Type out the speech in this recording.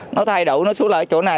nó thay đổi nó xuống lại chỗ này